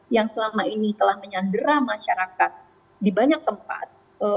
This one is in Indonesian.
yang selama ini telah menyandera masyarakat di banyak tempat